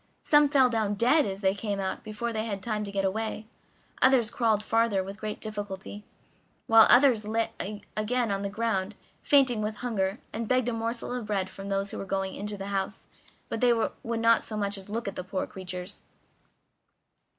Some fell down dead as they came out before they had time to get away; others crawled farther with great difficulty; while others again lay on the ground, fainting with hunger, and begged a morsel of bread from those who were going into the house, but they would not so much as look at the poor creatures.